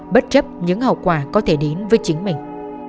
bất chấp những hậu quả có thể đến với chính mình